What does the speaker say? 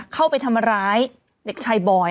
เข้าไปทำร้ายเด็กชายบอย